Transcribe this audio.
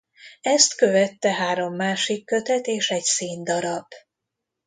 Ezt követte három másik kötet és egy színdarab.